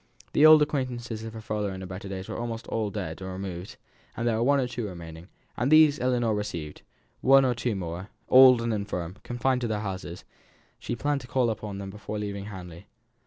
The old acquaintances of her father in his better days were almost all dead or removed; there were one or two remaining, and these Ellinor received; one or two more, old and infirm, confined to their houses, she planned to call upon before leaving Hamley.